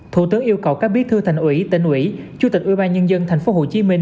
thủ tướng yêu cầu các bí thư thành ủy tỉnh ủy chủ tịch ubnd tp hcm